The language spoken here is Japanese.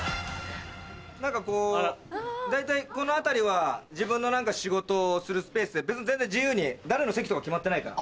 何かこう大体この辺りは自分の仕事をするスペースで別に自由に誰の席とか決まってないから。